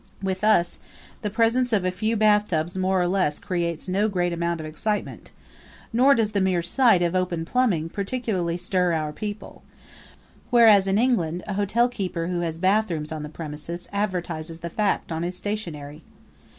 With us the presence of a few bathtubs more or less creates no great amount of excitement nor does the mere sight of open plumbing particularly stir our people; whereas in England a hotelkeeper who has bathrooms on the premises advertises the fact on his stationery.